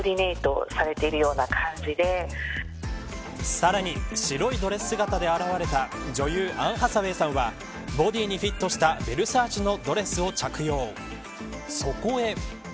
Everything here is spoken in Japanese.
さらに、白いドレス姿で現れた女優アン・ハサウェイさんはボディにフィットしたヴェルサーチェのドレスを着用。